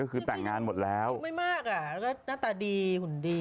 คือแต่งงานหมดแล้วไม่มากอ่ะแล้วก็หน้าตาดีหุ่นดี